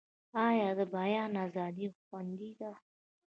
آیا د بیان ازادي خوندي ده؟